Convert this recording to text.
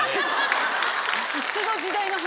いつの時代の話？